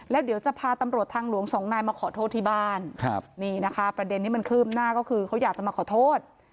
แล้วเดี๋ยวจะพาตำรวจทางหลวงสองนายมาขอโทษที่บ้านนี่นะคะประเด็นที่มันคืบหน้าก็คือเขาอยากจะมาขอโทษ